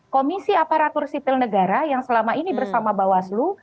komisi aparatur sipil negara yang selama ini bersama bawaslu